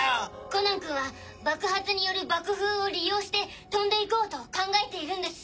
コナンくんは爆発による爆風を利用して飛んでいこうと考えているんです。